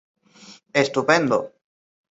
Fury ganó por nocaut en el segundo asalto.